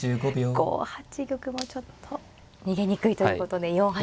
５八玉もちょっと逃げにくいということで４八。